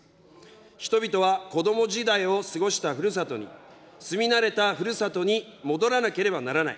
人々は子ども時代を過ごしたふるさとに、住み慣れたふるさとに戻らなければならない。